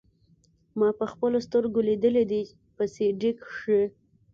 ما پخپلو سترګو ليدلي دي په سي ډي کښې.